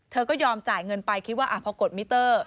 ก็ยอมจ่ายเงินไปคิดว่าพอกดมิเตอร์